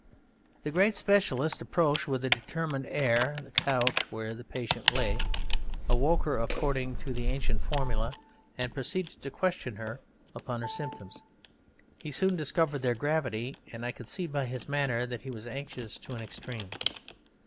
The great specialist approached with a determined air the couch where the patient lay, awoke her according to the ancient formula, and proceeded to question her upon her symptoms. He soon discovered their gravity, and I could see by his manner that he was anxious to an extreme.